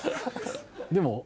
でも。